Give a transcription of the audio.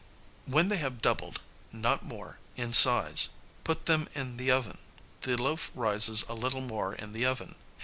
When they have doubled (not more) in size, put them in the oven. The loaf rises a little more in the oven.